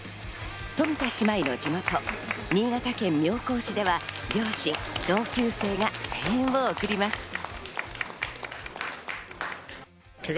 冨田姉妹の地元・新潟県妙高市では両親や同級生などが声援を送ります。